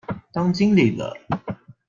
當經理了